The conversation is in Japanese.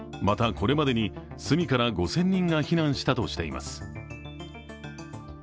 また、これまでにスミから５０００人が避難したとしています。